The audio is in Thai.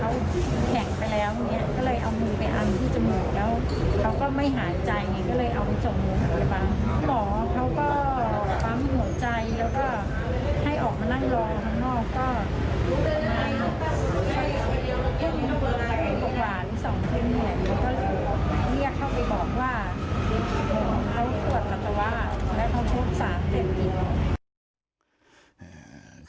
ก็เรียกเข้าไปบอกว่าเขาตัวมันจะว่าและเขาช่วยสาธิตรีย์อีก